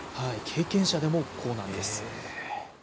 経験者でもこうなんです。